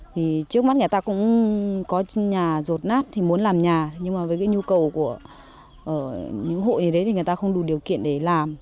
trước mắt người ta cũng có nhà rột nát muốn làm nhà nhưng với nhu cầu của những hộ thì người ta không đủ điều kiện để làm